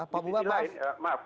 pak bubah maaf